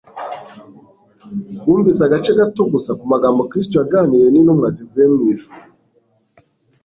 bumvise agace gato gusa k'amagambo Kristo yaganiriye n'intumwa zivuye mu ijuru.